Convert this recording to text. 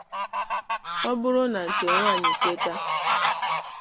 ọ bụrụ na nke nwaanyị kweta